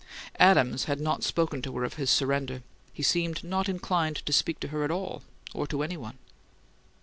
Adams had not spoken to her of his surrender; he seemed not inclined to speak to her at all, or to any one.